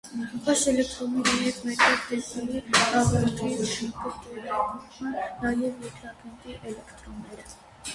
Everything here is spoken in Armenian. Այս էլեկտրոնների հետ մեկտեղ դեպի հաղորդիչ կտեղափոխվեն նաև երկրագնդի էլեկտրոնները։